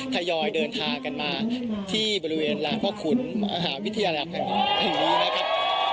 ทยอยเดินทางกันมาที่บริเวณลานพ่อขุนมหาวิทยาลัยแห่งนี้นะครับ